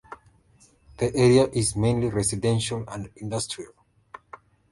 The area is mainly residential and industrial.